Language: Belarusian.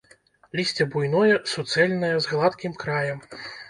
Лісце буйное, суцэльнае, з гладкім краем.